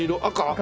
赤？